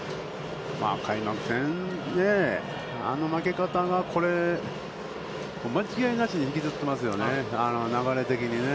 開幕戦であの負け方が、これ、間違いなしに引きずってますよね、流れでしたね。